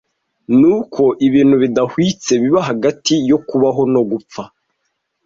Ni uko ibintu bidahwitse biba hagati yo kubaho no gupfa